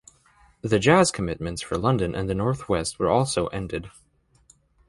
The jazz commitments for London and the North West were also ended.